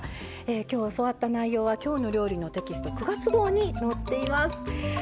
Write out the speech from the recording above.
今日教わった内容は「きょうの料理」テキスト９月号に載っています。